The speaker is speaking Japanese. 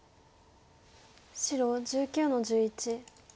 白１９の十一。